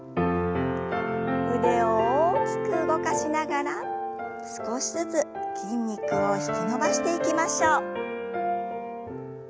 腕を大きく動かしながら少しずつ筋肉を引き伸ばしていきましょう。